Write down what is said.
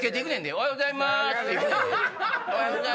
「おはようございます」って。